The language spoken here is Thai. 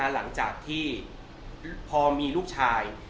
หลังจากที่พอมีลูกชาย